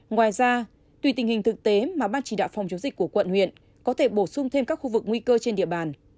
ngoài ra tùy tình hình thực tế mà ban chỉ đạo phòng chống dịch của quận huyện có thể bổ sung thêm các khu vực nguy cơ trên địa bàn